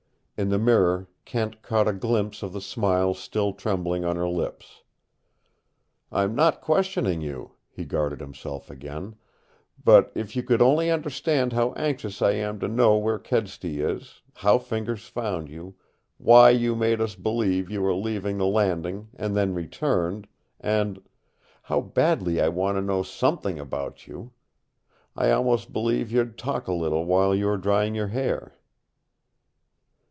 In the mirror Kent caught a glimpse of the smile still trembling on her lips. "I'm not questioning you," he guarded himself again, "but if you could only understand how anxious I am to know where Kedsty is, how Fingers found you, why you made us believe you were leaving the Landing and then returned and how badly I want to know something about you I almost believe you'd talk a little while you are drying your hair."